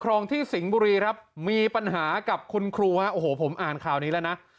รองที่สิงห์บุรีครับมีปัญหากับคุณครูฮะโอ้โหผมอ่านข่าวนี้แล้วนะ